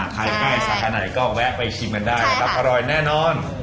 ค่ะใกล้ซาขนายก็แวะไปชิมกันได้อร่อยแน่นอน